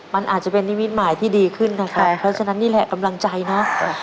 มันอาจจะเป็นนิมิตหมายที่ดีขึ้นนะครับเพราะฉะนั้นนี่แหละกำลังใจนะ